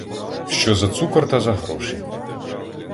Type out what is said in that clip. Що за цукор та за гроші